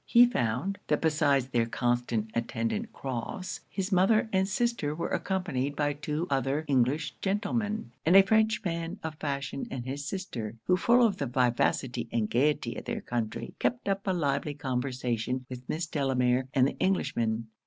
He found, that besides their constant attendant Crofts, his mother and sister were accompanied by two other English gentlemen, and a French man of fashion and his sister, who full of the vivacity and gaiety of their country, kept up a lively conversation with Miss Delamere and the Englishmen.